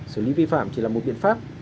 xử lý vi phạm chỉ là một biện pháp